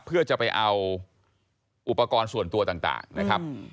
เพื่อจะไปเอาอุปกรณ์ส่วนตัวต่างนะครับ